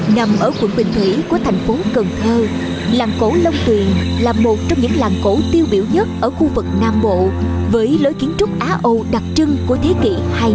nằm ở quận bình thủy của thành phố cần thơ làng cổ long tuyền là một trong những làng cổ tiêu biểu nhất ở khu vực nam bộ với lối kiến trúc á âu đặc trưng của thế kỷ hai mươi